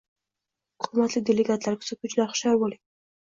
Hurmatli delegatlar, kuzatuvchilar, hushyor bo'ling!